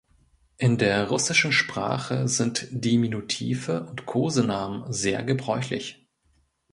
In der russischen Sprache sind Diminutive und Kosenamen sehr gebräuchlich.